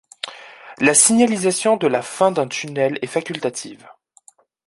La signalisation de la fin d'un tunnel est facultative.